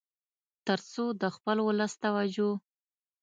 تر څو د خپل ولس توجه